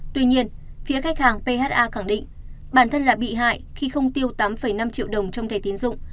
tuy nhiên phía khách hàng pha khẳng định bản thân là bị hại khi không tiêu tám năm triệu đồng trong thẻ tiến dụng